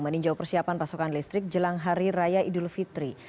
meninjau persiapan pasokan listrik jelang hari raya idul fitri